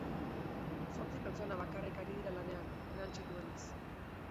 Zortzi pertsona bakarrik ari dira lanean, erantsi duenez.